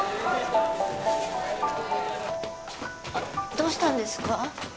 どうしたんですか？